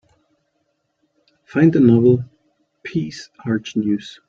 Find the novel Peace Arch News